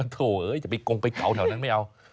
โถอย่าไปกงไปเกาแถวนั้นไม่เอา